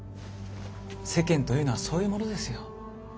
世間というのはそういうものですよ。